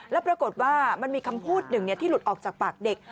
แล้วปรากฏว่ามันมีคำพูดหนึ่งที่หลุดออกจากปากเด็ก